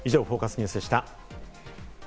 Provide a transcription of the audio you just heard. ニュースでした。